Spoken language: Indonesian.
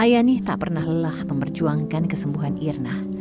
ayani tak pernah lelah memperjuangkan kesembuhan irna